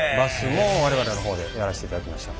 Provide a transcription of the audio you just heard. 我々の方でやらしていただきました。